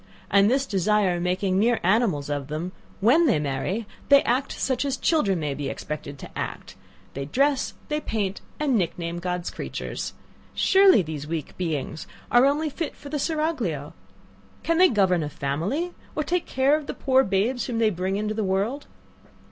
And this desire making mere animals of them, when they marry, they act as such children may be expected to act: they dress; they paint, and nickname God's creatures. Surely these weak beings are only fit for the seraglio! Can they govern a family, or take care of the poor babes whom they bring into the world?